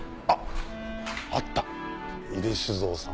あっあった。